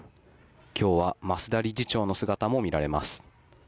今日は増田理事長の姿も見られます